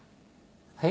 はい？